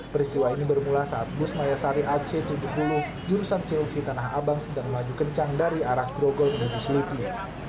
peristiwa ini bermula saat bus mayasari ac tujuh puluh jurusan cilsi tanah abang sedang melaju kencang dari arah grogol menuju selipi